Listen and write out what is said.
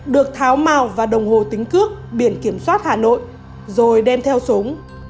được tháo màu và đồng hồ tính cước biển kiểm soát hà nội rồi đem theo súng